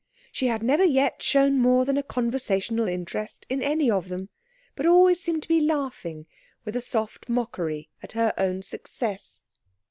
She had never yet shown more than a conversational interest in any of them, but always seemed to be laughing with a soft mockery at her own success.